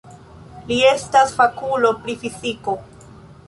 Li estas fakulo pri fiziko.